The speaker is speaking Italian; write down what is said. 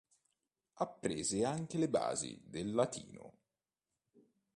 Apprese anche le basi del latino.